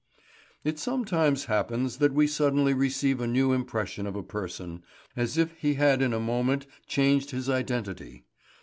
It sometimes happens that we suddenly receive a new impression of a person, as if he had in a moment changed his identity.